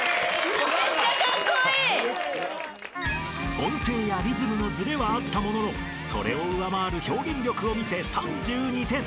［音程やリズムのずれはあったもののそれを上回る表現力を見せ３２点］